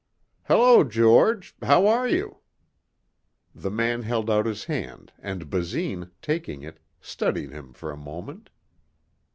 "Hello George. How are you?" The man held out his hand and Basine, taking it, studied him for a moment.